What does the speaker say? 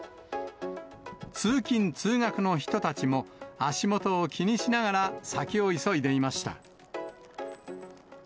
通勤・通学の人たちも、足元を気にしながら、先を急いでいました。